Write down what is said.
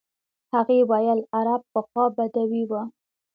هغې ویل عرب پخوا بدوي وو.